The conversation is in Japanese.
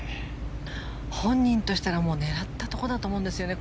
本人としたら狙ったところだと思うんですね。